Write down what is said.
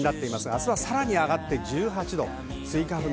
明日は、さらに上がって１８度。